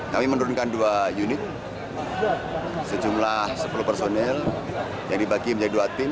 kami menurunkan dua unit sejumlah sepuluh personel yang dibagi menjadi dua tim